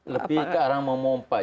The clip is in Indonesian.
lebih ke arah memompah